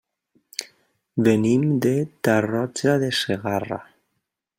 Venim de Tarroja de Segarra.